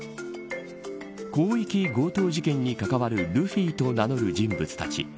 広域強盗事件に関わるルフィと名乗る人物たち。